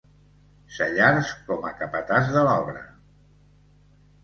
Sellars com a capatàs de l'obra.